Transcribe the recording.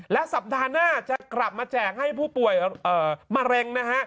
และสัปดาห์หน้าจะกลับมาแจกให้ผู้ป่วยมะเร็งนะฮะ